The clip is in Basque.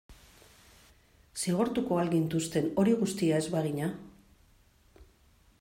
Zigortuko al gintuzten hori guztia ez bagina?